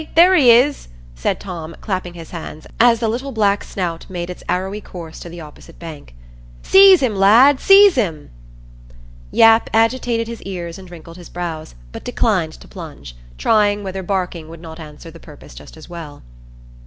there he is," said Tom, clapping his hands, as the little black snout made its arrowy course to the opposite bank. "Seize him, lad! seize him!" Yap agitated his ears and wrinkled his brows, but declined to plunge, trying whether barking would not answer the purpose just as well.